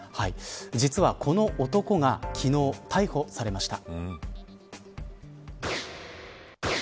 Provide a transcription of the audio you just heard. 実は、この男が昨日、逮捕されました。